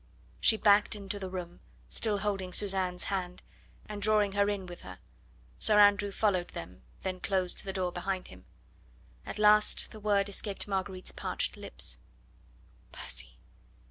She backed into the room, still holding Suzanne's hand, and drawing her in with her. Sir Andrew followed them, then closed the door behind him. At last the word escaped Marguerite's parched lips: "Percy!